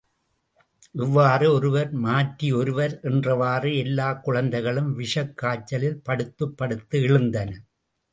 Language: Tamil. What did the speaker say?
இவ்வாறு, ஒருவர் மாற்றி ஒருவர் என்றவாறு, எல்லா குழந்தைகளும் விஷக் காய்ச்சலில் படுத்துப் படுத்து எழுந்தன.